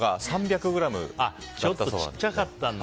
ちょっとちっちゃかったんだ。